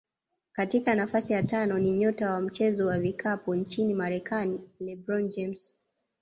Katika nafasi ya tano ni nyota wa mchezo wa vikapu nchini Marekani LeBron James